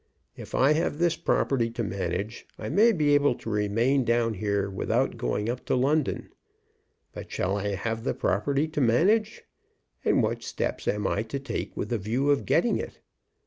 If I have this property to manage, I may be able to remain down here without going up to London. But shall I have the property to manage? and what steps am I to take with the view of getting it?